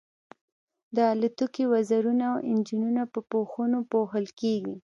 د الوتکې وزرونه او انجنونه په پوښونو پوښل کیږي